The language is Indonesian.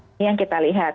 ini yang kita lihat